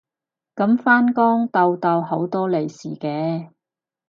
噉返工逗到好多利是嘅